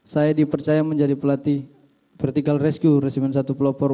saya dipercaya menjadi pelatih vertical rescue resimen satu pelopor